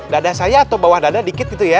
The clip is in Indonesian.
dada saya atau bawah dada dikit gitu ya